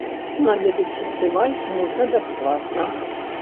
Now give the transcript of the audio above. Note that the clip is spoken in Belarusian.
Наведаць фестываль можна бясплатна.